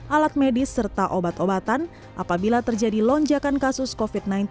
alat medis serta obat obatan apabila terjadi lonjakan kasus covid sembilan belas